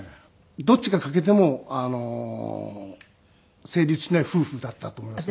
どっちが欠けてもあの成立しない夫婦だったと思いますね。